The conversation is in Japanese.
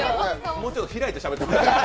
もうちょっと開いてしゃべってください